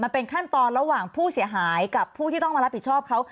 มันเป็นขั้นตอนระหว่างผู้เสียหายกับผู้ที่ต้องมารับผิดชอบเขา